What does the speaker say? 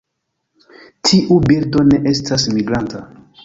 Tiu birdo ne estas migranta.